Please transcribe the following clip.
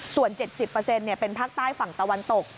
ส่วน๗๐เป็นภาคใต้ฝั่งตะวันตก